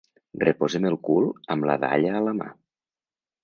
Reposem el cul amb la dalla a la mà.